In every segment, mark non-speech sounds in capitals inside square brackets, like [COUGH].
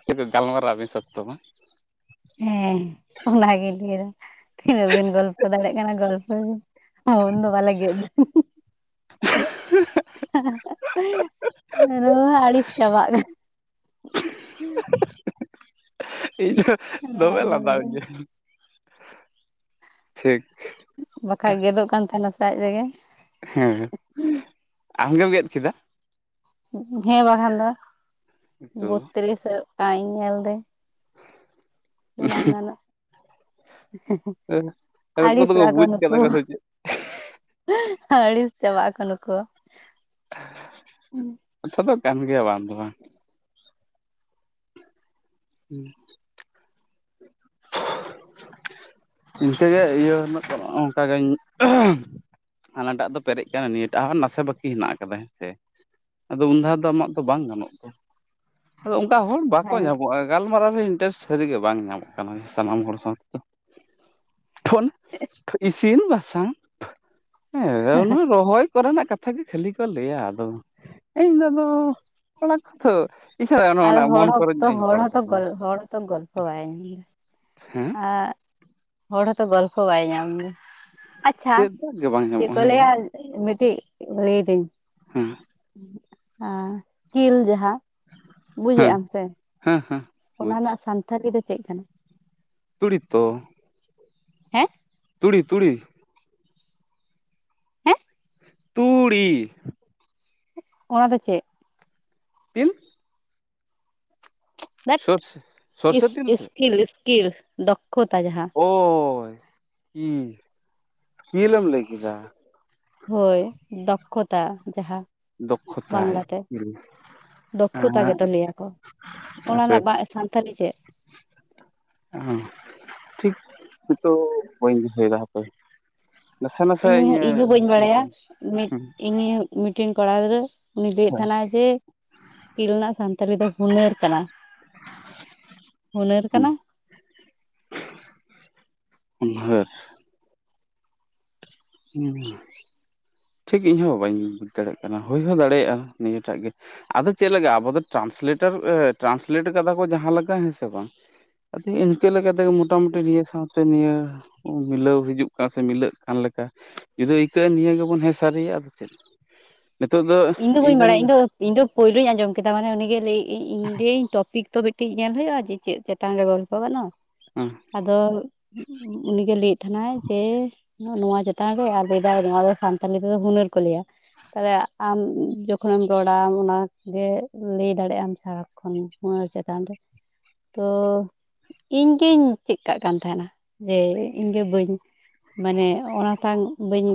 ᱮᱹᱠᱮᱹᱛᱚ ᱜᱟᱞᱢᱟᱨᱟᱣ ᱜᱮ ᱥᱚᱛᱛᱳ ᱦᱚᱸ ᱾ ᱦᱮᱸ ᱚᱱᱟᱜᱤᱧ ᱞᱟᱹᱭᱫᱟ ᱾ ᱛᱤᱱᱟᱹᱜ ᱵᱤᱱ ᱜᱚᱞᱯᱚ ᱫᱟᱲᱮᱭᱟᱜ ᱠᱟᱱᱟ ᱜᱚᱞᱯᱚᱭ ᱵᱤᱱ ᱯᱷᱳᱱ [INAUDIBLE] ᱫᱚ ᱵᱟᱞᱮ ᱜᱮᱫ ᱫᱟ ᱤ-ᱦᱚ, ᱹ-ᱦᱚᱹ-, ᱦᱩᱸ ᱾ ᱦᱩᱸᱡ -ᱟᱦᱟ ᱼᱦᱟ ᱨᱚᱲ ᱟᱹᱲᱤᱥ ᱪᱟᱵᱟᱜ ᱠᱟᱱᱟ ᱾ ᱤᱧ ᱦᱚ ᱠᱟᱱᱟ ᱫᱚᱢᱮᱹᱦ ᱞᱟᱸᱫᱟᱦ ᱵᱩᱡᱷᱟᱹᱣ ᱤᱧ ᱴᱷᱤᱠ ᱾ ᱵᱟᱠᱷᱟᱡ ᱜᱮᱫᱚᱜ ᱠᱟᱱ ᱛᱟᱦᱮᱱᱟ ᱟᱡ ᱨᱮᱜᱮ ᱾ ᱦᱮᱸ ᱦᱮᱸ, ᱟᱢ ᱜᱮᱢ ᱜᱮᱫ ᱠᱮᱫᱟ? ᱦᱮᱸ ᱵᱟᱠᱷᱟᱱ ᱫᱚ, ᱛᱚ ᱵᱚᱛᱨᱤᱥ ᱦᱩᱭᱩᱜ ᱠᱟᱱᱟ ᱤᱧ ᱧᱮᱞ ᱫᱟᱹᱧ᱾ ᱵᱟᱝ ᱜᱟᱱᱚᱜᱼᱟ ᱮᱦ-ᱦᱮ ᱩᱱᱠᱩ ᱟᱹᱲᱤᱥ ᱚᱜ ᱫᱚᱠᱚ ᱟᱠᱚ ᱵᱩᱡᱽ ᱠᱟᱫᱟ ᱩᱱᱠᱩ ᱠᱚ ᱟᱦ ᱥᱮ ᱪᱮᱫ ᱥᱟᱸᱜ ᱟᱹᱲᱤᱥ ᱪᱟᱵᱟᱜ ᱟᱠᱚ ᱱᱩᱠᱚ ᱾ ᱠᱟᱛᱷᱟ ᱫᱚ ᱠᱟᱱ ᱜᱮᱭᱟ ᱵᱟᱝ ᱫᱚ ᱵᱟᱝ, ᱾ ᱠᱤᱲᱤᱡ-ᱠᱚᱲᱚᱡ -ᱠᱤᱲᱤᱡ-ᱠᱚᱲᱚᱡ ᱰᱷᱟᱭ ᱤᱱᱠᱟᱹ ᱜᱮ ᱤᱭᱟᱹ ᱟᱢᱟ ᱾ ᱚᱸᱜ‌ ᱚᱱᱠᱟᱜᱮᱧ ᱟᱸᱦ ᱟᱱᱟᱴᱟᱜ ᱫᱚ ᱯᱮᱨᱮᱡ ᱟᱠᱟᱱᱟ ᱱᱤᱭᱟᱹᱴᱟᱜ ᱦᱚᱸ ᱱᱟᱥᱮ ᱵᱟᱹᱠᱤ ᱦᱮᱱᱟᱜ ᱟᱠᱟᱫᱟ ᱦᱮᱸ ᱥᱮ ᱾ ᱟᱫᱚ ᱩᱱ ᱫᱷᱟᱶ ᱫᱚ ᱟᱢᱟᱜ ᱫᱚ ᱵᱟᱝ ᱜᱟᱱᱚᱜᱼᱟ, ᱟᱫᱚ ᱚᱱᱠᱟ ᱦᱚᱲ ᱵᱟᱠᱚ ᱦᱮᱸ ᱧᱟᱢᱟᱜ ᱾ ᱦᱚᱭ, ᱜᱟᱞᱢᱟᱨᱟᱣ ᱨᱮ ᱤᱱᱴᱟᱨᱮᱹᱥᱴ ᱥᱟᱹᱨᱤᱜᱮ ᱵᱟᱝ ᱧᱟᱢᱚᱜ ᱠᱟᱱᱟ ᱥᱟᱱᱟᱢ ᱦᱚᱲ ᱥᱟᱶᱛᱮ ᱾ ᱯᱷᱳᱱ, ᱤᱥᱤᱱ ᱵᱟᱥᱟᱝ ᱦᱮᱸ ᱚᱱᱟ ᱨᱚᱦᱚᱭ ᱠᱚᱨᱮᱱᱟᱜ ᱠᱟᱛ ᱠᱟᱛᱷᱟ ᱜᱮ ᱠᱷᱟᱹᱞᱤ ᱠᱚ ᱞᱟᱹᱭᱟ ᱟᱫᱚ ᱤᱧ ᱫᱚ ᱠᱚᱲᱟ ᱠᱚᱛᱷᱳ ᱤᱪᱷᱟ ᱚᱱᱮ ᱚᱱᱟ ᱢᱚᱱ ᱠᱚᱨᱮᱧᱚᱜ ᱟᱹᱧ ᱚᱜᱚᱞ ᱦᱚᱲ ᱛᱚ ᱜᱚᱞᱯᱷᱚ ᱟᱭᱟᱭ ᱟᱸᱜ ᱦᱮᱸ ᱟᱸᱜ, ᱦᱚᱲ ᱦᱚᱸᱛᱚ ᱜᱚᱞᱯᱷᱚ ᱵᱟᱭ ᱧᱟᱢᱫᱟ ᱾ ᱟᱪ-ᱪᱷᱟ, ᱪᱮᱫ ᱫᱟᱜ ᱜᱮ ᱵᱟᱝ ᱪᱮᱫ ᱧᱟᱢᱚᱜᱼᱟ ᱠᱚ ᱦᱮᱸ ᱞᱟᱹᱭᱟ ᱢᱤᱫᱴᱤᱡ ᱞᱟᱹᱭᱫᱟᱹᱧ? ᱦᱮᱸ ᱾ ᱟᱸ, ᱠᱤᱞ ᱡᱟᱦᱟᱸ ᱵᱩᱡᱮᱜ ᱦᱮᱸ ᱟᱢ ᱥᱮ? ᱦᱮᱸ ᱦᱮᱸ ᱾ ᱚᱱᱟ ᱨᱮᱱᱟᱜ ᱥᱟᱱᱛᱷᱟᱞᱤ ᱫᱚ ᱪᱮᱫ ᱠᱟᱱᱟ? ᱛᱩᱲᱤᱛᱛᱚ ᱾ ᱦᱮᱸᱦ? ᱛᱩᱲᱤ -ᱛᱩᱲᱤ ᱾ ᱦᱮᱸᱦ? ᱛᱩᱻᱻᱲᱤ ᱾ ᱚᱱᱟ ᱫᱚ ᱪᱮᱫ? ᱛᱤᱞ ᱾ ᱫᱷᱮᱴ, ᱥᱚᱨᱥᱮ ᱤᱥ- ᱛᱤᱞ ᱛᱮ ᱥᱠᱤᱞ -ᱥᱠᱤᱞ ᱫᱚᱠᱠᱷᱚᱛᱟ ᱡᱟᱦᱟᱸ ᱾ ᱳᱻᱥ, ᱩᱸ ᱤᱥᱠᱤᱞᱮᱢ ᱞᱟᱹᱭ ᱠᱮᱫᱟ? ᱦᱳᱭ, ᱫᱚᱠᱠᱷᱚᱛᱟ ᱡᱟᱦᱟᱸ ᱾ ᱫᱚᱠᱷᱚᱛᱟᱭ ᱤᱥᱠᱤᱞ, ᱾ ᱫᱚᱠᱠᱷᱚᱛᱟ ᱜᱮᱛᱚ ᱞᱟᱹᱭᱟᱠᱚ, ᱚᱱᱟ ᱨᱮᱱᱟᱜ ᱵᱟᱜ ᱥᱟᱱᱛᱟᱲᱤ ᱪᱮᱫ? ᱠᱤᱲᱤ-ᱠᱚᱲᱚ, ᱠᱤᱲᱤ-ᱠᱚᱲᱚ, ᱠᱷᱟᱪᱟᱞ-ᱠᱷᱚᱪᱚᱞ ᱦᱟᱸᱦ, ᱴᱷᱤᱠ ᱱᱤᱛᱳᱜ ᱵᱟᱹᱧ ᱫᱤᱥᱟᱹᱭᱮᱫᱟ ᱦᱟᱯᱮ ᱾ ᱤᱧ ᱤᱧᱡᱷᱦᱚᱸ ᱵᱟᱹᱧ ᱵᱟᱲᱟᱭᱟ ᱢᱤᱫ ᱤᱱᱤᱭᱩ ᱢᱤᱴᱤᱝ ᱠᱚᱲᱟ ᱜᱤᱫᱽᱨᱟᱹ ᱩᱱᱤᱭ ᱞᱟᱹᱭᱮᱫ ᱛᱟᱦᱮᱱᱟᱭ ᱡᱮ ᱥᱠᱤᱞ ᱨᱮᱱᱟᱜ ᱥᱟᱱᱛᱟᱞᱤ ᱫᱚ ᱦᱩᱱᱟᱹᱨ ᱠᱟᱱᱟ, ᱦᱩᱱᱟᱹᱨ ᱠᱟᱱᱟ? ᱦᱩᱱᱟᱹᱨ, ᱦᱮᱸ ᱴᱷᱤᱠ ᱤᱧᱦᱚᱸ ᱵᱟᱹᱧ ᱵᱩᱡᱽ ᱫᱟᱲᱮᱭᱟᱜ ᱠᱟᱱᱟ ᱾ ᱦᱩᱭ ᱦᱚᱸ ᱫᱟᱲᱮᱭᱟᱜᱼᱟ ᱱᱤᱭᱟᱹᱴᱟᱜ ᱜᱮ᱾ ᱟᱫᱚ ᱪᱮᱫ ᱞᱮᱠᱟ ᱟᱵᱚ ᱫᱚ ᱴᱮᱨᱟᱱᱥᱞᱮᱴᱟᱨ ᱴᱨᱟᱱᱥᱞᱮᱴ ᱟᱠᱟᱫᱟ ᱠᱚ ᱡᱟᱦᱟᱸ ᱞᱮᱠᱟ ᱦᱮᱸᱥᱮ ᱵᱟᱝ, ᱟᱥᱤ ᱤᱧ ᱪᱤᱠᱟᱹ ᱞᱮᱠᱟᱛᱮᱜᱮ ᱢᱚᱴᱟᱢᱩᱴᱤ ᱱᱤᱭᱟᱹ ᱥᱟᱶᱛᱮ ᱱᱤᱭᱟᱹ ᱢᱤᱞᱟᱹᱣ ᱦᱤᱡᱩᱜ ᱠᱟᱱ ᱥᱮ ᱢᱤᱞᱟᱹᱜ ᱠᱟᱱ ᱞᱮᱠᱟ᱾ ᱡᱩᱫᱤ ᱟᱹᱭᱠᱟᱹᱜᱼᱟ ᱱᱤᱭᱟᱹ ᱜᱮᱵᱚᱱ ᱦᱮᱸ ᱥᱟᱹᱨᱤ ᱭᱤᱭᱟ ᱟᱫᱚ ᱪᱮᱫ᱾ ᱤᱧ ᱫᱚ ᱵᱟᱹᱧ ᱵᱟᱲᱟᱭᱟ? ᱤᱧ ᱫᱚᱼᱼ ᱤᱧ ᱫᱚ ᱯᱳᱭᱞᱳᱧ ᱟᱸᱡᱚᱢ ᱠᱮᱫᱟ ᱾ ᱢᱟᱱᱮ ᱩᱱᱤᱜᱮ ᱞᱟᱹᱭ ᱤᱧ ᱞᱟᱹᱭᱟᱹᱧ ᱴᱚᱯᱤᱠ ᱛᱚ ᱢᱤᱫᱴᱮᱡ ᱧᱮᱞ ᱦᱩᱭᱩᱜᱼᱟ ᱾ ᱡᱮ ᱪᱮᱫ ᱪᱮᱫ ᱼᱼ [UNINTELLIGIBLE] ᱜᱚᱞᱯᱚ ᱜᱟᱱᱚᱜ ᱟᱫᱚ ᱩᱱᱤᱜᱮ ᱞᱟᱹᱭᱮᱫ ᱛᱟᱦᱮᱱᱟᱭ ᱡᱮᱼᱼ ᱱᱚᱣᱟ ᱪᱮᱛᱟᱱ ᱨᱮ ᱟᱨ ᱞᱟᱹᱭᱫᱟ ᱱᱚᱣᱟ ᱫᱚ ᱥᱟᱱᱛᱟᱞᱤ ᱛᱚ ᱦᱩᱱᱟᱹᱨ ᱠᱚ ᱞᱟᱹᱭᱟ ᱾ ᱛᱟᱦᱚᱞᱮᱼᱼ ᱟᱢ ᱡᱚᱠᱷᱚᱱᱮᱢ ᱨᱚᱲᱟ ᱚᱱᱟᱜᱮ ᱞᱟᱹᱭ ᱫᱟᱲᱮᱭᱟᱜ ᱟᱢ ᱥᱟᱨᱟᱠᱠᱷ ᱦᱩᱱᱟᱹᱨ ᱪᱮᱛᱟᱱ ᱨᱮ᱾ ᱛᱚ ᱤᱧᱜᱤᱧ ᱪᱮᱫ ᱠᱟᱜ ᱠᱟᱱ ᱛᱟᱦᱮᱱᱟ ᱡᱮ ᱤᱧᱜᱮ ᱵᱟᱹᱧᱼᱼ ᱢᱟᱱᱮ ᱚᱱᱟ ᱥᱟᱶ ᱵᱟᱹᱧᱼᱼ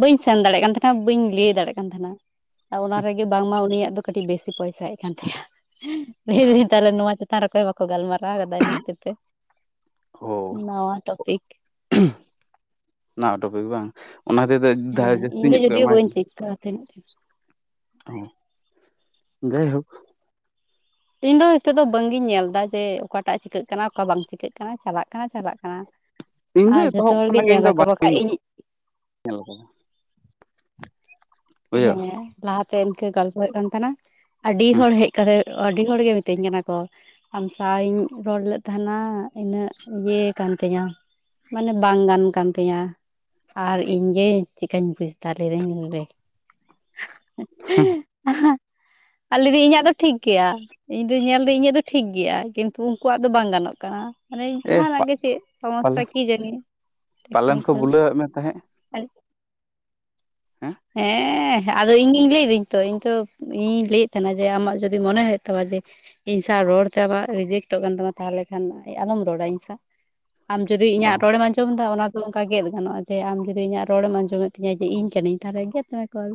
ᱵᱟᱹᱧ ᱥᱮᱱ ᱫᱟᱲᱮᱭᱟᱜ ᱠᱟᱱ ᱛᱟᱦᱮᱱᱟ, ᱵᱟᱹᱧ ᱞᱟᱹᱭ ᱫᱟᱲᱮᱭᱟᱜ ᱠᱟᱱ ᱛᱟᱦᱮᱱᱟ᱾ ᱚᱱᱟ ᱨᱮᱜᱮ ᱵᱟᱝᱢᱟ ᱩᱱᱤᱭᱟᱜ ᱫᱚ ᱠᱟᱹᱴᱤᱡ ᱵᱮᱥᱤ ᱯᱚᱭᱥᱟ ᱦᱮᱡ ᱟᱠᱟᱱ ᱛᱟᱭᱟ ᱾ ᱞᱟᱭ ᱫᱤᱧ ᱛᱟᱦᱚᱞᱮ ᱱᱚᱣᱟ ᱪᱮᱛᱟᱼᱼ ᱨᱮ ᱚᱠᱚᱭᱦᱟᱸ ᱵᱟᱠᱚ ᱜᱟᱞᱢᱟᱨᱟᱣ ᱠᱟᱫᱟ ᱤᱱᱟᱹ ᱠᱷᱟᱹᱛᱤᱨ ᱛᱮ ᱱᱟᱣᱟ ᱴᱚᱯᱤᱠ᱾ ᱱᱚᱣᱟ ᱴᱯᱤᱠ ᱵᱟᱝ, ᱚᱱᱟ ᱠᱷᱟᱛᱤᱨ ᱛᱮ ᱡᱟᱹᱥᱛᱤ ᱧᱚᱜ ᱠᱚ ᱮᱢᱟᱭ ᱠᱟᱱᱟ᱾ ᱛᱟᱨᱤᱡ ᱛᱮ ᱦᱚᱸ ᱡᱟᱭ ᱦᱳᱜ ᱤᱧ ᱫᱚ ᱱᱤᱛᱚᱜ ᱫᱚ ᱵᱟᱝ ᱜᱤᱧ ᱧᱮᱞ ᱮᱫᱟ ᱡᱮ ᱚᱠᱟᱴᱟᱜ ᱪᱤᱠᱟᱹᱜ ᱠᱟᱱᱟ ᱚᱠᱟ ᱵᱟᱝ ᱪᱤᱠᱟᱹᱜ ᱠᱟᱱᱟ ᱪᱟᱞᱟᱜ ᱠᱟᱱᱟ ᱪᱟᱞᱟᱜ ᱠᱟᱱᱟ᱾ ᱤᱧ ᱫᱚ ᱟᱨ ᱡᱚᱛᱚ ᱮᱛᱚᱦᱚᱵ ᱦᱚᱲᱜᱮ ᱠᱷᱚᱱᱟᱜ ᱜᱮ ᱤᱧ ᱫᱚ ᱧᱮᱞᱟᱠᱚ ᱵᱟᱝ ᱵᱟᱹᱧ ᱵᱟᱠᱷᱟᱡ ᱤᱧᱼᱼ ᱧᱮᱞ ᱟᱠᱚᱼᱼ ᱵᱩᱡᱷᱟᱹᱣ ᱦᱮᱸ ᱞᱟᱦᱟᱛᱮ ᱤᱱᱠᱟᱹ ᱜᱚᱞᱯᱚ ᱦᱩᱭᱩᱜ ᱠᱟᱱ ᱛᱟᱦᱮᱱᱟ ᱟᱹᱰᱤ ᱦᱮᱸ ᱦᱚᱲ ᱦᱮᱡ ᱠᱟᱛᱮᱼᱼ ᱟᱹᱰᱤ ᱦᱚᱲ ᱜᱮ ᱢᱤᱛᱟᱹᱧ ᱠᱟᱱᱟ ᱠᱚ, ᱟᱢ ᱥᱟᱶᱟ ᱤᱧ ᱨᱚᱲ ᱞᱮᱫ ᱛᱟᱦᱮᱱᱟ ᱤᱱᱟᱹᱜ ᱜᱮ ᱠᱟᱱ ᱛᱤᱧᱟᱹ ᱢᱟᱱᱮ ᱵᱟᱝ ᱜᱟᱱ ᱠᱟᱱᱛᱤᱧᱟᱹ ᱟᱨ ᱤᱧᱜᱮ ᱪᱤᱠᱟᱹᱧ ᱵᱩᱡ ᱫᱟᱲᱮᱨᱮᱧ ᱞᱮ ᱟ ᱞᱤᱫᱤ ᱤᱧᱟᱹᱜ ᱫᱚ ᱴᱷᱤᱠ ᱜᱮᱭᱟ ᱤᱧ ᱫᱚᱧ ᱧᱮᱞ ᱫᱟᱹᱧ ᱤᱧᱟᱹᱜ ᱫᱚ ᱴᱷᱤᱠᱼᱼ ᱴᱷᱤᱠ ᱜᱮᱭᱟ ᱠᱤᱱᱛᱩ ᱩᱱᱠᱩᱣᱟᱜ ᱫᱚ ᱵᱟᱝ ᱜᱟᱱᱚᱜ ᱠᱟᱱᱟ᱾ ᱢᱟᱱᱮᱧ ᱮ ᱡᱟᱸᱦᱟᱱᱟᱜ ᱜᱮ ᱪᱮᱫ ᱥᱚᱢᱚᱥᱥᱟ ᱯᱟᱞᱮᱱ ᱠᱤ ᱡᱟᱹᱱᱤ ᱯᱟᱞᱮᱱ ᱠᱚ ᱴᱮᱠᱱᱤᱠᱮᱞ᱾ ᱵᱩᱞᱟᱹᱣᱟᱫ ᱢᱮ ᱛᱟᱦᱮᱸᱫ ᱦᱮᱸ ᱦᱮᱸ ᱟᱫᱚ ᱤᱧ ᱜᱮᱤᱧ ᱞᱟᱹᱭᱫᱟᱹᱧ ᱛᱚ ᱤᱧ ᱛᱚ ᱤᱧᱤᱧ ᱞᱟᱹᱭᱮᱫ ᱛᱟᱦᱮᱦᱱᱟ ᱡᱮ ᱟᱢᱟᱜ ᱡᱚᱫᱤ ᱢᱚᱱᱮ ᱦᱩᱭᱩᱜ ᱛᱟᱢᱟ ᱡᱮᱼᱼ ᱤᱧ ᱥᱟᱣ ᱨᱚᱲᱛᱮ ᱟᱢᱟᱜ ᱨᱤᱡᱮᱠᱴᱚᱜ ᱠᱟᱱ ᱛᱟᱢᱟ ᱛᱟᱦᱚᱞᱮ ᱠᱷᱟᱱ ᱟᱞᱚᱢ ᱨᱚᱲᱟ ᱤᱧ ᱥᱟᱣᱼᱼ ᱟᱢ ᱡᱩᱫᱤ ᱚ ᱤᱧᱟᱹᱜ ᱨᱚᱲᱮᱢ ᱟᱸᱡᱚᱢ ᱮᱫᱟ ᱚᱱᱟᱼᱼ ᱱᱚᱝᱠᱟ ᱜᱮᱫ ᱜᱟᱱᱚᱜᱼᱟ ᱡᱮ ᱟᱢ ᱡᱩᱫᱤ ᱤᱧᱟᱹᱜ ᱨᱚᱲᱮᱢ ᱟᱸᱡᱚᱢᱮᱫ ᱛᱤᱧᱟᱹ ᱡᱮ ᱤᱧ ᱠᱟᱹᱱᱟᱹᱧ ᱛᱟᱦᱞᱮ ᱜᱮᱫ ᱢᱮ ᱠᱚᱞᱼᱼ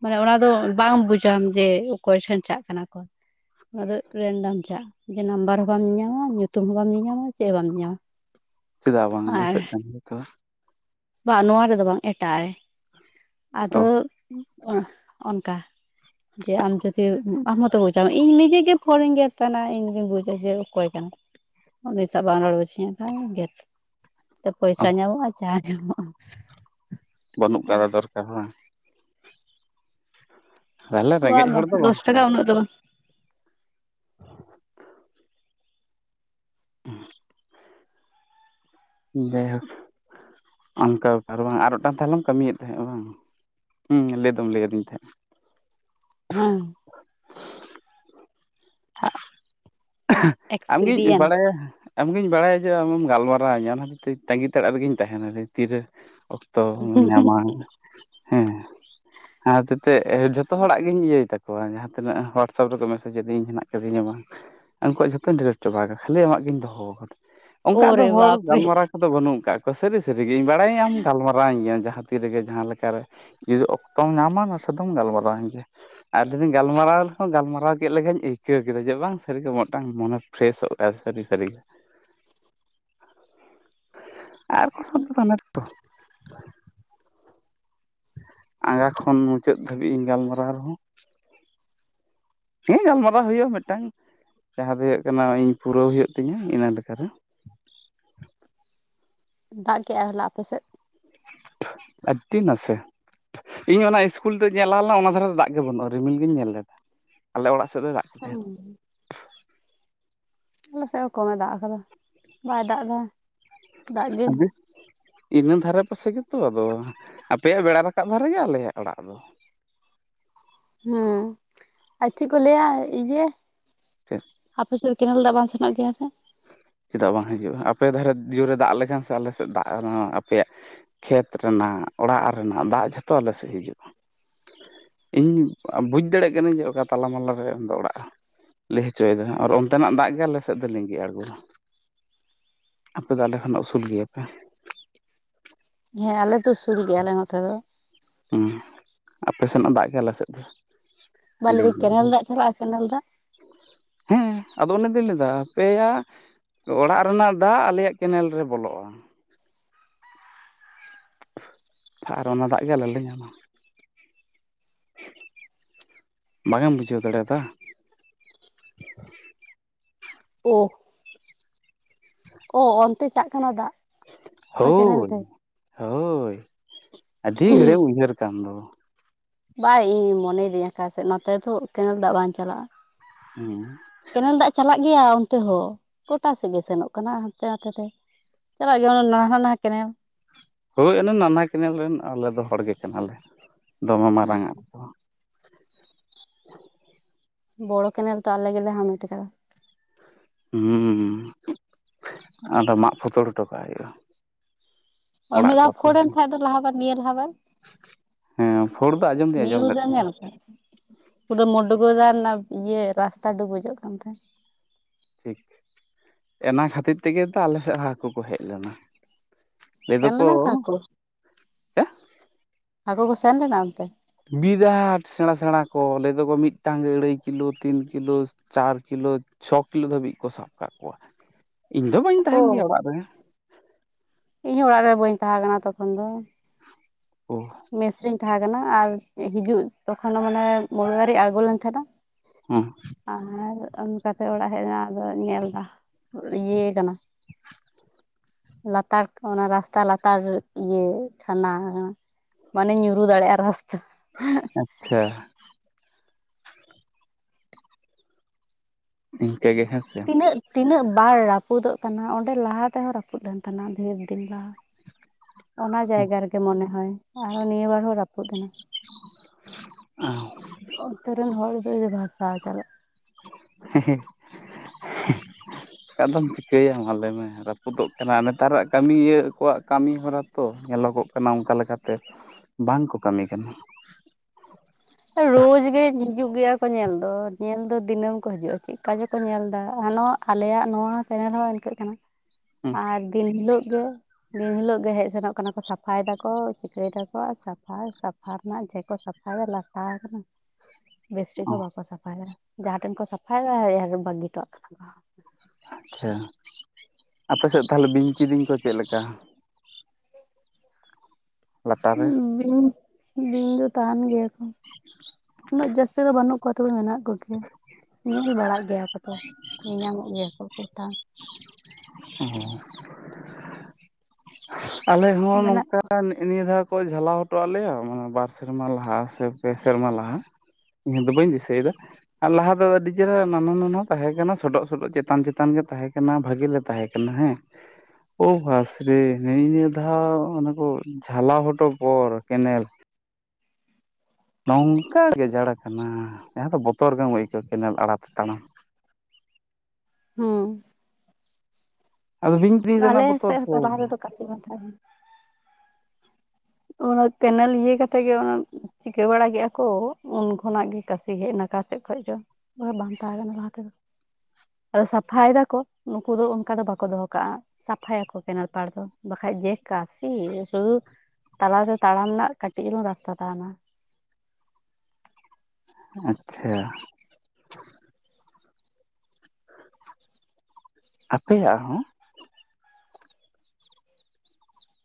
ᱢᱟᱱᱮ ᱚᱱᱟ ᱫᱚ ᱵᱟᱝ ᱵᱩᱡᱟᱢ ᱡᱮ ᱚᱠᱚᱭ ᱴᱷᱮᱱ ᱫᱟᱜ ᱠᱟᱱᱟ ᱠᱚᱞᱼᱼ ᱟᱫᱚ ᱨᱮᱱᱰᱟᱢ ᱪᱟᱜᱼᱼ ᱡᱮ ᱱᱟᱢᱵᱟᱨ ᱦᱚᱸ ᱵᱟᱢ ᱧᱟᱢᱟ ᱧᱩᱛᱩᱢ ᱦᱚᱸ ᱵᱟᱢ ᱧᱟᱢᱟ ᱪᱮᱫ ᱦᱚᱸ ᱵᱟᱢ ᱧᱟᱢᱟ᱾ ᱪᱮᱫᱟᱜ ᱵᱟᱝ ᱟᱨ ᱫᱤᱥᱟᱹᱜ ᱠᱟᱱ ᱜᱮᱛᱚᱼᱼ ᱵᱟᱝ ᱱᱚᱣᱟ ᱨᱮᱫᱚ ᱵᱟᱝ ᱮᱴᱟᱜ ᱨᱮ ᱚ ᱟᱫᱚ ᱚᱱᱠᱟ ᱡᱮ ᱟᱢ ᱡᱩᱚᱫᱤ ᱟᱢ ᱢᱚᱛᱚ ᱵᱩᱡᱟᱢ ᱤᱧ ᱱᱤᱡᱮ ᱜᱮ ᱯᱷᱚᱱᱤᱧ ᱜᱮᱫ ᱛᱟᱱᱟ ᱤᱧ ᱜᱮ ᱵᱩᱡᱟ ᱡᱮ ᱚᱠᱚᱭ ᱠᱟᱱᱟ᱾ ᱩᱱᱤ ᱥᱟᱶ ᱵᱟᱢ ᱨᱚᱲ ᱦᱚᱪᱚ ᱠᱷᱟᱱ ᱜᱮᱫ ᱯᱚᱭᱥᱟ ᱧᱟᱢᱚᱜᱼᱟ ᱡᱟᱸᱦᱟ ᱧᱟᱢᱚᱜᱼᱟ᱾ ᱵᱟᱹᱱᱩᱜ ᱟᱠᱟᱫᱟ ᱫᱚᱨᱠᱟᱨ ᱦᱚᱸ ᱵᱟᱝ? ᱛᱟᱦᱚᱞᱮ ᱵᱟ ᱨᱮᱸᱜᱮᱡ ᱦᱚᱲ ᱵᱟᱝ ᱫᱚ ᱫᱚᱥ ᱠᱟᱱᱟ ᱴᱟᱠᱟ ᱩᱱᱟᱹᱜ ᱫᱚ ᱵᱟᱝ ᱡᱟᱭᱦᱳᱠ ᱚᱱᱠᱟ ᱠᱟᱨᱚᱱ ᱟᱨ ᱢᱤᱫᱴᱟᱝ ᱛᱟᱦᱞᱚᱢ ᱠᱟᱹᱢᱤᱭᱮᱫ ᱛᱟᱦᱮᱸᱜ ᱟ ᱵᱟᱝᱼᱼ ᱦᱮᱸ ᱞᱟᱹᱭ ᱫᱚᱢ ᱞᱟᱹᱭ ᱟᱹᱫᱤᱧ ᱛᱟᱦᱮᱸᱫᱟᱼᱼ ᱦᱮᱸ, ᱟᱢᱜᱮᱧ ᱮᱠᱥᱯᱮᱨᱤᱭᱮᱱᱥ ᱵᱟᱲᱟᱭᱟ᱾ ᱟᱢᱜᱤᱧ ᱵᱟᱲᱟᱭᱟ ᱡᱮ ᱟᱢᱮᱢ ᱜᱟᱞᱢᱟᱨᱟᱣᱤᱧᱟᱹ ᱚᱱᱟ ᱛᱟᱝᱜᱤ ᱛᱟᱲᱟᱜ ᱨᱮᱜᱮᱧ ᱛᱟᱦᱮᱱᱟ ᱛᱤᱨᱮ ᱚᱠ, ᱛᱚ ᱧᱟᱢᱟ ᱦᱮᱸ ᱦᱟᱛᱚᱛᱮ ᱡᱷᱚᱛᱚ ᱦᱚᱲᱟᱜ ᱜᱤᱧ ᱤᱭᱟᱹᱭ ᱛᱟᱠ, ᱡᱟᱦᱟᱸ ᱛᱤᱱᱟᱹᱜ ᱦᱳᱣᱟᱴᱥᱮᱯ ᱨᱮᱠᱚ ᱢᱮᱥᱮᱡ ᱟᱫᱤᱧ ᱦᱮᱱᱟᱜ ᱟᱠᱟᱫᱤᱧᱟ ᱵᱟᱝ, ᱩᱱᱠᱩᱣᱟᱜ ᱡᱷᱚᱛᱚ ᱰᱤᱞᱮᱴ ᱪᱟᱵᱟ ᱟᱠᱟᱫᱟ ᱠᱷᱟᱹᱞᱤ ᱟᱢᱟᱜ ᱜᱤᱧ ᱫᱚᱦᱚᱣ ᱟᱠᱟᱫᱟ ᱚᱱᱠᱟ ᱳᱨᱮ ᱟᱫᱚᱢ ᱦᱚᱲ ᱵᱟᱯᱨᱮ ᱜᱟᱞᱢᱟᱨᱟᱣ, ᱫᱚ ᱵᱟᱹᱱᱩᱜ ᱠᱟᱜ ᱠᱚ ᱥᱟᱹᱨᱤ ᱥᱟᱹᱨᱤᱜᱤᱧ ᱵᱟᱲᱟᱭᱟᱧ ᱟᱢ ᱜᱟᱞᱢᱟᱨᱟᱣᱤᱧ ᱜᱮᱭᱟᱢ ᱡᱟᱦᱟᱸ ᱛᱤ ᱨᱮᱜᱮ ᱡᱟᱦᱟᱸ ᱞᱮᱠᱟᱨᱮ ᱡᱩᱫᱤ ᱚᱠᱛᱚᱢ ᱧᱟᱢᱟ ᱱᱟᱥᱮ ᱫᱚᱢ ᱜᱟᱞᱢᱟᱨᱟᱣᱮᱱ ᱜᱮ᱾ ᱟᱨ ᱡᱩᱫᱤ ᱜᱟᱞᱟᱨᱟᱣ ᱞᱮᱦᱚᱸ ᱜᱟᱞᱢᱟᱨᱟᱣ ᱠᱮᱫ ᱞᱮᱠᱟᱧ ᱟᱹᱭᱠᱟᱹᱣ ᱠᱮᱫᱟ ᱡᱮ ᱵᱟᱝ ᱥᱟᱹᱨᱤᱜᱮ, ᱢᱤᱫᱴᱟᱝ ᱢᱚᱱᱮ ᱯᱷᱨᱮᱥᱚᱜ ᱠᱟᱱ ᱥᱟᱹᱨᱤ ᱥᱟᱹᱨᱤ ᱜᱮ᱾ ᱟᱨ ᱠᱚ ᱥᱟᱣ [UNINTELLIGIBLE] ᱛᱚ ᱟᱸᱜᱟ ᱠᱷᱚᱱ ᱢᱩᱪᱟᱹᱫ ᱫᱷᱟᱹᱵᱤᱜ ᱤᱧ ᱜᱟᱞᱢᱟᱨᱟᱣ ᱨᱮᱦᱚᱸ, ᱦᱮᱸ ᱜᱟᱞᱢᱟᱨᱟᱣ ᱦᱩᱭᱩᱜᱼᱟ ᱢᱤᱫᱴᱟᱝ ᱡᱟᱦᱟᱸ ᱫᱚ ᱦᱩᱭᱩᱜ ᱠᱟᱱᱟ ᱤᱧ ᱯᱩᱨᱟᱹᱣ ᱦᱩᱭᱩᱜ ᱛᱤᱧᱟᱹ ᱤᱱᱟ ᱞᱮᱠᱟᱨᱮ᱾ ᱫᱟᱜᱽ ᱠᱮᱟᱭ ᱦᱚᱞᱟ ᱟᱯᱮ ᱥᱮᱜ? ᱟᱹᱰᱤ ᱱᱟᱥᱮ᱾ ᱤᱧ ᱚᱱᱟ ᱤᱥᱠᱩᱞ ᱨᱮᱧ ᱧᱮᱞ ᱞᱟᱦᱟ ᱞᱮᱱᱟ ᱚᱱᱟ ᱫᱷᱟᱨᱮ ᱫᱚ ᱫᱟᱜᱽ ᱜᱮ ᱵᱟᱹᱱᱩᱜ-ᱟ ᱨᱤᱢᱤᱞ ᱜᱤᱧ ᱧᱮᱞ ᱞᱮᱫ ᱟᱞᱮ ᱚᱲᱟᱜ ᱥᱮᱫ, ᱫᱚᱭ ᱫᱟᱜ ᱠᱮᱫᱟᱭ ᱦᱮᱸ, ᱟᱞᱮ ᱥᱮᱜ ᱦᱚᱸ ᱠᱚᱢᱮ ᱫᱟᱜᱽ ᱟᱠᱟᱫᱟ ᱵᱟᱭ ᱫᱟᱜᱽ ᱮᱫᱟ ᱫᱟᱜᱽ ᱜᱮ᱾ ᱤᱱᱟ ᱫᱷᱟᱨᱮ ᱯᱟᱥᱮ ᱜᱮᱛᱚ ᱟᱫᱚ ᱟᱯᱮᱭᱟᱜ ᱵᱮᱲᱟ ᱨᱟᱠᱟᱵ ᱫᱷᱟᱨᱮ ᱜᱮ ᱟᱞᱮᱭᱟᱜ ᱚᱲᱟᱜ ᱫᱚ᱾ ᱦᱮᱸ ᱟᱨ ᱪᱮᱝ ᱠᱚ ᱞᱟᱹᱭᱟ ᱤᱭᱟᱹ ᱪᱮᱫ? ᱟᱯᱮ ᱥᱮᱜ ᱠᱮᱱᱮᱞ ᱫᱚᱜ ᱵᱟᱝ ᱥᱮᱱᱚᱜ ᱜᱮᱭᱟ ᱥᱮ, ᱪᱮᱫᱟᱜ ᱵᱟᱝ ᱦᱤᱡᱩᱜᱼᱟ ᱟᱯᱮ ᱫᱷᱟᱨᱮ ᱡᱳᱨᱮ ᱫᱟᱜᱽ ᱞᱮᱠᱷᱟᱱ ᱥᱮ ᱟᱞᱮ ᱥᱮᱫ ᱫᱟᱜᱽ ᱟᱯᱮᱭᱟᱜ, ᱠᱷᱮᱛ ᱨᱮᱱᱟᱜ ᱚᱲᱟᱜ ᱨᱮᱱᱟᱜ ᱫᱟᱜᱽ ᱡᱷᱚᱛᱚ ᱟᱞᱮ ᱥᱮᱜ ᱦᱤᱡᱩᱜᱼᱟ᱾ ᱤᱧ ᱟ ᱵᱩᱡᱽ ᱫᱟᱲᱮᱜ ᱠᱟᱹᱱᱟᱹᱧ ᱡᱮ ᱚᱠᱟ ᱛᱟᱞᱟ ᱢᱟᱞᱟ ᱨᱮ ᱫᱚ ᱚᱲᱟᱜ ᱫᱚ᱾ ᱞᱟᱹᱭ ᱦᱚᱪᱚᱭᱮᱫᱟ ᱟᱨ ᱚᱱᱛᱮᱱᱟᱜ ᱫᱟᱜᱽ ᱜᱮ ᱟᱞᱮᱥᱮᱫ ᱫᱚ ᱞᱤᱸᱜᱤ ᱟᱬᱜᱩᱣᱟ᱾ ᱟᱯᱮᱚ ᱟᱞᱮ ᱠᱷᱚᱱᱟᱜ ᱩᱥᱩᱞ ᱜᱮᱭᱟᱯᱮ, ᱦᱮᱸ ᱟᱞᱮᱫᱚ ᱥᱩᱥᱩᱞ ᱜᱮᱭᱟᱞᱮ ᱱᱚᱛᱮ ᱫᱚ᱾ ᱦᱩᱸ ᱟᱯᱮ ᱥᱮᱱᱟᱜ ᱫᱟᱜᱽ ᱜᱮ ᱟᱞᱮ ᱥᱮᱫ ᱫᱚ᱾ ᱵᱟᱞᱮ ᱞᱤᱸᱜᱤ ᱟᱬᱜᱚᱱᱟ ᱠᱮᱱᱮᱞ ᱫᱟᱜᱽ ᱪᱟᱞᱟᱜ-ᱟ ᱠᱮᱱᱮᱞ ᱫᱟᱜᱽ, ᱦᱮᱸ ᱟᱫᱚ ᱚᱱᱮᱫᱚᱧ ᱞᱟᱹᱭᱫᱟ ᱟᱯᱮᱭᱟᱜ ᱚᱲᱟᱜ ᱨᱮᱱᱟᱜ ᱫᱟᱜᱽ ᱟᱞᱮᱭᱟᱜ ᱠᱮᱱᱮᱞ ᱨᱮ ᱵᱚᱞᱚᱜᱼᱟ᱾ ᱟᱨ ᱚᱱᱟ ᱫᱟᱜᱽ ᱜᱮ ᱟᱞᱮᱞᱮ ᱧᱟᱢᱟ᱾ ᱵᱟᱝᱮᱢ ᱵᱩᱡᱷᱟᱹᱣ ᱫᱟᱲᱮᱭᱫᱟ, ᱚ, ᱚ ᱚᱱᱛᱮ ᱪᱟᱜ ᱠᱟᱱᱟ ᱫᱟᱜ᱾ ᱚᱱᱟ ᱠᱮᱱᱮᱞ ᱦᱳᱭ ᱛᱮ ᱦᱳᱭ ᱟᱹᱰᱤ ᱜᱷᱟᱹᱲᱤᱜ ᱩᱭᱦᱟᱹᱨ ᱠᱟᱱ ᱫᱚ, ᱵᱟᱭ ᱤᱧ ᱢᱚᱱᱮᱭᱮᱫᱤᱧ ᱟᱠᱟᱥᱮᱫ ᱱᱚᱛᱮ ᱫᱚ ᱠᱮᱱᱮᱞ ᱫᱟᱜᱽ ᱵᱟᱝ ᱪᱟᱞᱟᱜᱼᱟ᱾ ᱦᱮᱸ, ᱠᱮᱱᱮᱞ ᱫᱟᱜᱽ ᱪᱟᱞᱟᱜ ᱜᱮᱭᱟ ᱚᱱᱛᱮ ᱦᱚᱸ ᱜᱚᱴᱟ ᱥᱮᱫ ᱜᱮ ᱥᱮᱱᱚᱜ ᱠᱟᱱᱟ ᱦᱟᱱᱛᱮ ᱱᱟᱛᱮ ᱛᱮ᱾ ᱪᱟᱞᱟᱜ ᱜᱮᱭᱟ ᱚᱱᱟ ᱱᱟᱱᱦᱟ ᱱᱟᱱᱦᱟ ᱠᱮᱱᱮᱞ, ᱦᱳᱭ ᱚᱱᱮ ᱱᱟᱱᱦᱟ ᱠᱮᱱᱮᱞ ᱨᱮᱱ ᱟᱞᱮ ᱫᱚ ᱦᱚᱲ ᱜᱮ ᱠᱟᱱᱟᱞᱮ ᱫᱚᱢᱮ ᱢᱟᱨᱟᱝ ᱟᱜ ᱠᱚᱫᱚ, ᱵᱚᱲᱚ ᱠᱮᱱᱮᱞ ᱛᱚ ᱟᱞᱮᱜᱮᱞᱮ ᱦᱟᱢᱮᱴ ᱟᱠᱟᱫᱟ᱾ ᱦᱩᱸ ᱟᱫᱚ ᱢᱟᱜ ᱯᱷᱚᱛᱚᱲ ᱦᱚᱴᱚ ᱠᱟᱜ ᱦᱩᱭᱩᱜᱼᱟ᱾ ᱚ ᱚᱲᱟᱜ ᱢᱤᱫ ᱠᱚ ᱫᱟᱣ ᱟᱛᱮ ᱯᱷᱚᱲᱮᱱ ᱠᱷᱟᱭ ᱫᱚ ᱞᱟᱦᱟ ᱵᱟᱨ ᱱᱤᱭᱟᱹ ᱞᱟᱦᱟ ᱵᱟᱨ ᱦᱮᱸ ᱯᱷᱳᱲ ᱫᱚ ᱟᱸᱡᱚᱢ ᱫᱩᱧ ᱟᱸᱡᱚᱢ ᱱᱤᱣ ᱞᱮᱫ ᱜᱮᱧ ᱛᱟᱦᱮᱸᱫ ᱧᱮᱞ ᱠᱟᱜ᱾ ᱯᱩᱨᱟᱹ ᱢᱳᱰᱚᱜᱚᱜᱫᱟᱜ ᱨᱮᱱᱟᱜ ᱤᱭᱟᱹ ᱨᱟᱥᱛᱟ ᱰᱩᱵᱩᱡᱚᱜ ᱠᱟᱱ ᱛᱟᱦᱮᱫ ᱴᱷᱤᱠ ᱮᱱᱟ ᱠᱷᱟᱹᱛᱤᱨ ᱛᱮᱜᱮ ᱛᱚ ᱟᱞᱮᱥᱮᱜ ᱦᱚᱸ ᱦᱟᱠᱩ ᱠᱚ ᱦᱮᱡ ᱞᱮᱱᱟ᱾ ᱞᱟᱹᱭ ᱥᱮᱱ ᱫᱚᱠᱚ ᱞᱮᱱᱟ ᱠᱚ ᱦᱟᱹᱠᱳ, ᱦᱟᱹᱠᱳ ᱠᱚ ᱥᱮᱱ ᱞᱮᱱᱟ ᱚᱱᱛᱮ ᱵᱤᱨᱟᱴ ᱥᱮᱬᱟ ᱥᱮᱬᱟ ᱠᱚ ᱞᱟᱹᱭᱮᱫᱟ ᱠᱚ ᱢᱤᱫᱴᱟᱝ ᱜᱮ ᱟᱹᱲᱟᱹᱭ ᱠᱤᱞᱳ ᱛᱤᱱ ᱠᱤᱞᱳ ᱪᱟᱨ ᱠᱤᱞᱳ ᱪᱷᱚ ᱠᱤᱞᱳ ᱫᱷᱟᱹᱵᱤᱡ ᱠᱚ ᱥᱟᱵ ᱠᱟᱜ ᱠᱚᱣᱟ, ᱤᱧ ᱫᱚ ᱵᱟᱹᱧ ᱛᱟᱦᱮᱱ ᱜᱮᱭᱟ ᱚ ᱚᱲᱟᱜ ᱨᱮ᱾ ᱤᱧ ᱦᱚᱸ ᱚᱲᱟᱜ ᱨᱮ ᱵᱟᱹᱧ ᱛᱟᱦᱮᱸ ᱠᱟᱱᱟ ᱛᱚᱠᱷᱚᱱ ᱫᱚ᱾ ᱚ ᱢᱮᱥᱨᱤᱧ ᱛᱟᱦᱮᱸ ᱠᱟᱱᱟ ᱟᱨ ᱦᱤᱡᱩᱜ ᱛᱚᱠᱷᱚᱱ ᱢᱟᱱᱮ ᱢᱚᱬᱮᱵᱟᱨᱤ ᱟᱬᱜᱞᱮᱱ ᱛᱟᱦᱮᱸᱱᱟ᱾ ᱦᱩᱸ ᱟᱨ ᱚᱱᱠᱟᱛᱮ ᱚᱲᱟᱜ ᱦᱮᱡ ᱮᱱᱟ ᱟᱫᱚ ᱧᱮᱞᱫᱟ ᱤᱭᱟᱹ ᱠᱟᱱᱟ ᱞᱟᱛᱟᱨ ᱠᱚ ᱚᱱᱟ ᱨᱟᱥᱛᱟ ᱞᱟᱛᱟᱨ ᱤᱭᱟᱹ ᱠᱷᱷᱟᱱᱟ ᱢᱟᱱᱮ ᱧᱩᱨᱩ ᱫᱟᱲᱮᱜᱼᱟ ᱨᱟᱥᱛᱟ ᱟᱪᱪᱷᱟ ᱤᱱᱠᱟᱹ ᱜᱮ ᱦᱮᱸ ᱛᱤᱱᱟᱹᱜ ᱛᱤᱱᱟᱹᱜ ᱵᱟᱨ ᱨᱟᱹᱯᱩᱫᱚᱜ ᱠᱟᱱᱟ ᱚᱸᱰᱮ ᱞᱟᱦᱟ ᱛᱮᱦᱚ ᱨᱟᱹᱯᱩᱫ ᱞᱮᱱ ᱛᱟᱦᱮ ᱰᱷᱮᱨᱫᱤᱱ ᱞᱟᱦᱟ᱾ ᱚᱱᱟ ᱡᱟᱭᱜᱟ ᱨᱮᱜᱮ ᱢᱚᱱᱮ ᱦᱚᱭ ᱟᱨᱚ ᱱᱤᱭᱟᱹ ᱵᱟᱨ ᱦᱚᱸ ᱨᱟᱹᱯᱩᱫ ᱮᱱᱟ᱾ ᱚ [INAUDIBLE] ᱚᱱᱛᱳ ᱨᱮᱱ ᱦᱚᱲ ᱫᱚ ᱵᱷᱟᱥᱟᱣ ᱪᱟᱞᱟᱜ ᱦᱮᱸ ᱦᱮ ᱸ [UNINTELLIGIBLE] ᱫᱚᱚᱢ ᱪᱤᱠᱟᱹᱭᱟ ᱢᱟ ᱞᱟᱹᱭ ᱢᱮ ᱨᱟᱹᱯᱩᱫᱚᱜ ᱠᱟᱱᱟ ᱱᱮᱛᱟᱨᱟᱜ ᱠᱟᱹᱢᱤ ᱤᱭᱟᱹ ᱠᱚᱣᱟᱜ ᱠᱟᱹᱢᱤ ᱦᱚᱨᱟ ᱛᱚ ᱧᱮᱞᱚᱜᱚᱜ ᱠᱟᱱᱟ ᱚᱱᱠᱟ ᱞᱮᱠᱟᱛᱮ ᱵᱟᱝ ᱠᱚ ᱠᱟᱹᱢᱤ ᱠᱟᱱᱟ᱾ ᱨᱳᱡᱜ ᱜᱮ ᱦᱤᱡᱩᱜ ᱜᱮᱭᱟ ᱠᱚ ᱧᱮᱞ ᱫᱚ ᱧᱮᱞ ᱫᱚ ᱫᱤᱱᱟᱹᱢ ᱠᱚ ᱦᱤᱡᱩᱜᱼᱟ ᱪᱮᱫᱠᱟ ᱪᱮᱠᱚ ᱪᱠᱚᱧᱮᱞ ᱫᱟ ᱱᱚᱣᱟ ᱟᱞᱮᱭᱟᱜ ᱱᱚᱣᱟ ᱪᱮᱱᱮᱞ ᱦᱚᱸ ᱤᱱᱠᱟᱹᱜ ᱠᱟᱱᱟ ᱦᱮᱸ ᱟᱨ ᱫᱤᱱ ᱦᱤᱞᱳ ᱜᱮ ᱱᱤᱫ ᱦᱤᱞᱳ ᱜᱮ ᱦᱮᱡ ᱥᱮᱱᱚᱜ ᱠᱟᱱᱟ, ᱥᱟᱯᱷᱟᱭ ᱫᱟᱠᱚ ᱪᱤᱠᱟᱹᱭ ᱫᱟᱠᱚ ᱥᱟᱯᱷᱟ ᱥᱟ ᱯᱷᱟ ᱨᱮᱱᱟᱜ ᱡᱷᱮ ᱠᱚ ᱥᱟᱯᱷᱟᱭᱟ ᱞᱟ [INAUDIBLE] ᱵᱮᱥ ᱴᱷᱤᱠ ᱦᱚᱸ ᱵᱟᱠᱚ ᱥᱟᱯᱷᱟᱭᱟ, ᱡᱟᱦᱟᱸ ᱴᱷᱮᱱ ᱠᱚ ᱥᱟ [UNINTELLIGIBLE] ᱵᱟᱟᱹᱜᱤ ᱴᱚᱭᱟᱜ ᱠᱟᱱᱟ ᱠᱚ ᱟᱪᱪᱷᱟ ᱟᱯᱮ ᱥᱮᱫ ᱛᱟᱦᱚᱞᱮ ᱵᱤᱧ ᱠᱤᱫᱤᱧ ᱠᱚ ᱪᱮᱫᱞᱮ ᱞᱮᱠᱟ? ᱞᱟᱛᱟᱨ ᱨᱮ ᱦᱩᱸ ᱵᱤᱧ ᱵᱤᱧ ᱫᱚ ᱛᱟᱦᱮᱱ ᱜᱮᱭᱟ ᱠᱚ, ᱩᱱᱟᱹᱜ ᱡᱟᱹᱥᱛᱤ ᱫᱚ ᱵᱟᱹᱱᱩᱜ ᱠᱚᱣᱟ ᱛᱚᱵᱮ ᱢᱮᱱᱟᱜ ᱠᱚᱜᱮ ᱧᱮᱞ ᱵᱟᱲᱟᱜ ᱜᱮᱭᱟ ᱠᱚ ᱛᱚ ᱧᱮᱧᱟᱢᱚᱜ ᱜᱮᱭᱟ ᱠᱚ ᱠᱚᱴᱟ ᱾ ᱦᱩᱸ ᱟᱞᱮ ᱦᱚᱸ ᱢᱮᱱᱟᱜ ᱱᱚᱝᱠᱟ ᱠᱚᱣᱟ ᱱᱤᱭᱟᱹ ᱫᱷᱟᱣ ᱠᱚ ᱡᱷᱟᱞᱟᱣ ᱦᱚᱴᱚᱣᱟᱜ ᱞᱮᱭᱟ, ᱢᱟᱱᱮ ᱵᱟᱨ ᱥᱮᱨᱢᱟ ᱞᱟᱦᱟ ᱥᱮ ᱯᱮ ᱥᱮᱨᱢᱟ ᱞᱟᱦᱟ ᱾ ᱤᱧ ᱫᱚ ᱵᱟᱹᱧ ᱫᱤᱥᱟᱹᱭᱮᱫᱟ ᱟᱨ ᱞᱟᱦᱟ ᱫᱚ ᱟᱹᱰᱤ ᱪᱮᱦᱨᱟ ᱱᱟᱱᱟ ᱱᱟᱱᱟ ᱛᱟᱦᱮᱸ ᱠᱟᱱᱟ ᱥᱚᱰᱚᱜ ᱥᱚᱰᱚᱜ ᱪᱮᱛᱟᱱ ᱪᱮᱛᱟᱱ ᱜᱮ ᱛᱟᱦᱮᱸ ᱠᱟᱱᱟ, ᱵᱷᱟᱜᱮ ᱛᱟᱦᱮᱸ ᱠᱟᱱᱟ ᱦᱮᱸ ᱚᱸ ᱵᱷᱟᱥ ᱨᱮ ᱱᱮᱜ ᱱᱤᱭᱟᱹ ᱫᱷᱟᱣ ᱚᱱᱮ ᱠᱚ ᱡᱷᱟᱞᱟᱣ ᱦᱚᱴᱚ ᱯᱚᱨ ᱠᱮᱱᱮᱞ ᱱᱚᱝᱠᱟ ᱜᱮᱡᱟᱲ ᱠᱟᱱᱟ, ᱡᱟᱦᱟᱸ ᱫᱚ ᱵᱚᱛᱚᱨ ᱜᱮᱢ ᱟᱹᱭᱠᱟᱹᱣᱟ ᱠᱮᱱᱮᱞ ᱟᱲᱟᱛᱮ ᱛᱟᱲᱟᱢ ᱾ ᱦᱩᱸ ᱟᱫᱚ ᱵᱤᱧ ᱯᱤᱧ ᱨᱮᱱᱟᱜ ᱵᱚᱛᱚᱨ ᱥᱮ ᱾ ᱠᱟᱛᱷᱟ [UNINTELLIGIBLE] ᱚᱱᱟ ᱠᱮᱱᱮᱞ ᱤᱭᱟᱹ ᱠᱟᱛᱷᱟ ᱜᱮ ᱚᱱᱟ ᱪᱤᱠᱟᱹ ᱵᱟᱲᱟ ᱠᱮᱫᱟ ᱠᱚ ᱩᱱ ᱠᱷᱚᱱᱟᱜ ᱜᱮ ᱠᱟᱥᱤ ᱦᱮᱡ ᱮᱱᱟ ᱚᱠᱟ ᱥᱮᱫ ᱠᱷᱚᱪᱚ ᱾ ᱵᱟᱠᱷᱟᱡ ᱵᱟᱝ ᱛᱟᱦᱮᱱ ᱠᱟᱱᱟ ᱞᱟᱦᱟ ᱛᱮᱫᱚ ᱾ ᱟᱫᱚ ᱥᱟᱯᱷᱟᱭ ᱫᱟᱠᱚ ᱱᱩᱠᱩ ᱫᱚ ᱚᱱᱠᱟ ᱫᱚ ᱵᱟᱠᱚ ᱫᱚᱦᱚ ᱠᱟᱜᱼᱟ ᱾ ᱥᱟᱯᱷᱟᱭᱟᱠᱚ ᱠᱮᱱᱮᱞ ᱯᱟᱲ ᱫᱚ ᱵᱟᱠᱷᱟᱡ ᱡᱮ ᱠᱟᱥᱤ, ᱨᱩᱸ ᱛᱟᱞᱟᱛᱮ ᱛᱟᱲᱟᱢ ᱨᱮᱱᱟᱜ ᱠᱟᱹᱴᱤᱡ ᱪᱩᱞᱩᱝ ᱨᱟᱥᱛᱟ ᱛᱟᱦᱮᱱᱟ ᱾ ᱟᱪᱪᱷᱟ ᱟᱯᱮᱭᱟᱜ ᱦᱚᱸ!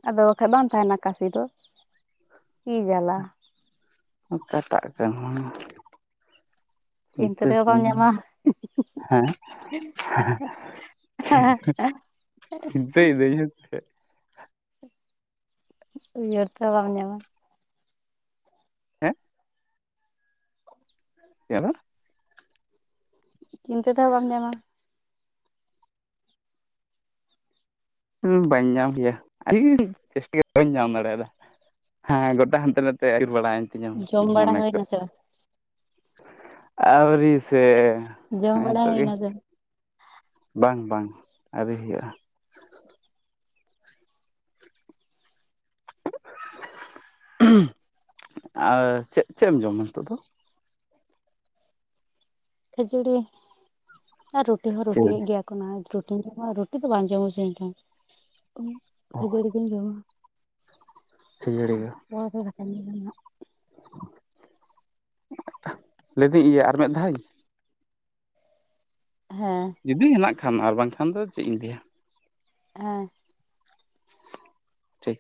ᱟᱫᱚ ᱵᱟᱠᱷᱟᱡ ᱵᱟᱝ ᱛᱟᱦᱮᱱᱟ ᱠᱟᱥᱤ ᱫᱚ! ᱠᱤ ᱡᱟᱞᱟ ᱚᱠᱟᱴᱟᱜ ᱠᱮᱦᱚᱸ ᱪᱤᱱᱛᱟᱹ ᱛᱮᱦᱚᱸ ᱵᱟᱢ ᱧᱟᱢᱟ [UNINTELLIGIBLE] ᱦᱮᱸ ᱪᱤᱱᱛᱟᱹᱭ ᱫᱟᱹᱧ ᱦᱮᱥᱮ, ᱩᱭᱦᱟᱹᱨ ᱛᱮᱦᱚᱸ ᱵᱟᱢ ᱧᱟᱢᱟ ᱾ ᱦᱮᱸ [UNINTELLIGIBLE] ᱪᱤᱱᱛᱟᱹ ᱛᱮᱦᱚᱸ ᱵᱟᱢ ᱧᱟᱢᱟ ᱾ ᱦᱩᱸ ᱵᱟᱹᱧ ᱧᱟᱢ ᱜᱮᱭᱟ ᱟᱹᱰᱤ ᱪᱮᱥᱴᱤ ᱵᱟᱹᱧ ᱧᱟᱢ ᱫᱟᱲᱮ ᱭᱟᱫᱟ ᱾ ᱦᱮᱸ ᱜᱚᱴᱟ ᱦᱟᱱᱛᱮ ᱱᱟᱛᱮ ᱟᱹᱭᱩᱨ ᱵᱟᱲᱟᱭᱮᱱ ᱛᱤᱧᱟ ᱡᱚᱢ ᱵᱟᱲᱟ ᱢᱚᱱᱮ ᱠᱚ ᱦᱩᱭᱱᱟ ᱾ ᱥᱮ ᱵᱟᱝ ᱟᱹᱣᱨᱤ ᱥᱮ! ᱡᱚᱢ ᱦᱮᱸ ᱵᱟᱲᱟ ᱱᱤᱛᱚᱜ ᱦᱩᱭ ᱜᱮ ᱱᱟ ᱥᱮ ᱵᱟᱝ ᱵᱟᱝ ᱟᱹᱣᱨᱤ ᱦᱩᱭᱩᱜᱼᱟ ᱾ ᱟᱨ ᱪᱮᱫ ᱪᱮᱫ ᱮᱢ ᱡᱚᱢᱟ ᱱᱤᱛᱳᱜ ᱫᱚ? ᱠᱷᱟᱹᱡᱟᱹᱲᱤ ᱟᱨ ᱨᱩᱴᱤ ᱦᱚᱸ ᱪᱮᱫ ᱨᱩᱴᱤᱭᱮᱫ ᱜᱮᱭᱟ ᱠᱚ ᱚᱱᱟ ᱨᱩᱴᱤᱧ ᱨᱮᱢᱟ ᱨᱩᱴᱤ ᱫᱚ ᱵᱟᱝ ᱡᱚᱢ ᱥᱟᱱᱟᱧ ᱠᱟᱱᱟ ᱠᱷᱟᱹᱡᱟᱹᱲᱤ ᱜᱮᱧ ᱡᱚᱢᱟ ᱾ ᱠᱷᱟᱹᱡᱟᱹᱲᱤ ᱜᱮ ᱯᱚᱨᱮ ᱛᱮ ᱫᱟᱠᱟ ᱫᱤᱧ ᱡᱚᱢᱟ ᱦᱟᱸᱜ ᱾ ᱞᱟᱹᱭᱫᱟᱤᱧ ᱤᱭᱟᱹ ᱟᱨ ᱢᱤᱫ ᱫᱷᱟᱣ ᱦᱮᱸ ᱡᱩᱫᱤ ᱦᱮᱱᱟᱜ ᱠᱷᱟᱱ ᱟᱨ ᱵᱟᱝᱠᱷᱟᱱ ᱫᱚ ᱪᱮᱫ ᱤᱧ ᱞᱟᱹᱭᱟ ᱾ ᱦᱮᱸ ᱴᱷᱤᱠ